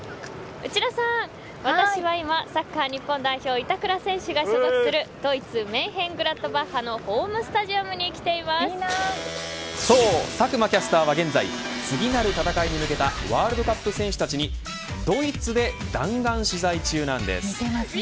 内田さん、私は今サッカー日本代表板倉選手が所属するドイツメンヘングラッドバッハのそう、佐久間キャスターは現在次なる戦いに向けたワールドカップ戦士たちにドイツで弾丸取材中なんです。